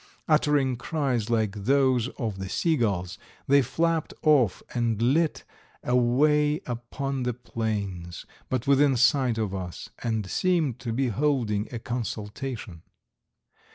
Uttering cries like those of the seagulls, they flapped off and lit away upon the plains, but within sight of us, and seemed to be holding a consultation.